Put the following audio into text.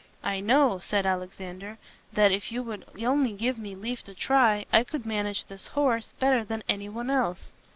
"I know," said Al ex an der, "that, if you would only give me leave to try, I could manage this horse better than any one else."